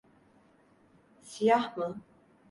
Siyah mı?